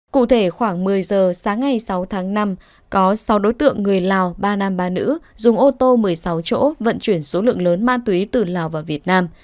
cụ thể khoảng một mươi giờ sáng ngày sáu tháng năm có sáu đối tượng người lào ba nam ba nữ dùng ô tô một mươi sáu chỗ vận chuyển số lượng lớn ma túy từ lào vào việt nam